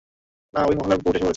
না, ওই মহল্লার ভোট এসে পড়েছে।